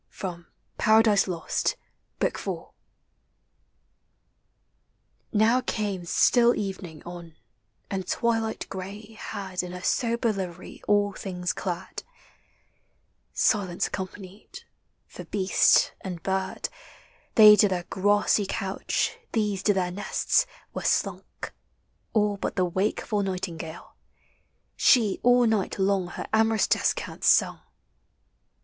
FROM "PARADISE LOST," BOOK IV. Now came still evening on, and twilight gray Had in her sober livery all things clad; Silence accompanied; for beast and bird, They to their grassy couch, these to their nests, Were slunk, all but the wakeful nightingale; She all night long her amorous descant sung.